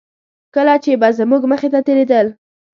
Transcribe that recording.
کله چې به زموږ مخې ته تېرېدل.